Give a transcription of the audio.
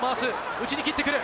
内に切ってくる。